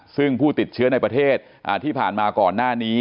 ซึ่งผู้ติดเชื้อในประเทศที่ผ่านมาก่อนหน้านี้